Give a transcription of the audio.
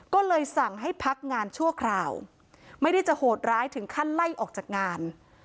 ก็เลยสั่งให้พักงานชั่วคราวไม่ได้จะโหดร้ายถึงขั้นไล่ออกจากงาน